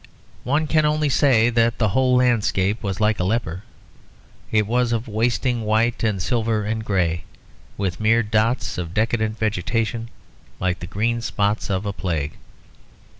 One can only say that the whole landscape was like a leper. It was of a wasting white and silver and grey, with mere dots of decadent vegetation like the green spots of a plague.